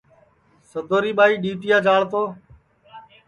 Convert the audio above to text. سدوری ٻائی ڈِؔوٹِیا جاݪ تو